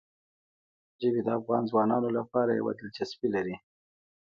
ژبې د افغان ځوانانو لپاره یوه دلچسپي لري.